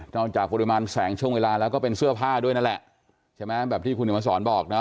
จากปริมาณแสงช่วงเวลาแล้วก็เป็นเสื้อผ้าด้วยนั่นแหละใช่ไหมแบบที่คุณเห็นมาสอนบอกเนอ